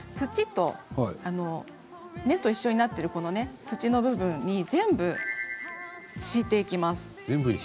根と一緒になっている土の部分に敷いていきます。